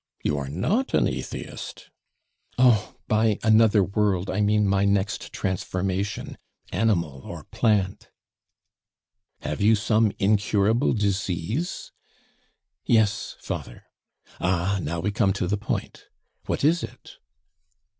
You are not an atheist." "Oh! by another world I mean my next transformation, animal or plant." "Have you some incurable disease?" "Yes, father." "Ah! now we come to the point. What is it?"